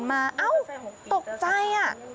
เจ้าตื่นมาอ้าวตกใจอ่ะ